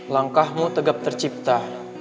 langkahmu tegap tercipta